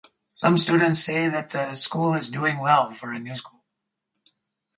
Some students say that the school is doing well for a new school.